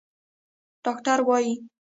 ډاکتران وايي